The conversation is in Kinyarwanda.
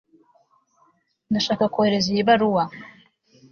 ndashaka kohereza iyi baruwa